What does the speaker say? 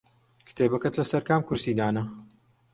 کتێبەکەت لەسەر کام کورسی دانا؟